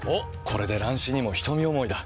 これで乱視にも瞳思いだ。